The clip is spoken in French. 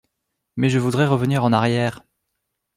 Mais je voudrais revenir en arrière.